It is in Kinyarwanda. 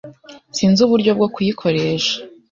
Sinzi uburyo bwo kuyikoresha.